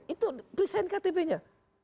itu present ktpnya